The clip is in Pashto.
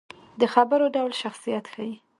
د خبرو ډول شخصیت ښيي